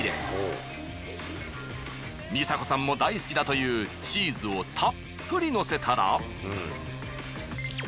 美佐子さんも大好きだというチーズをたっぷりのせたら。